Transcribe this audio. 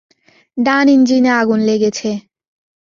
ডান ইঞ্জিনে আগুন লেগেছে।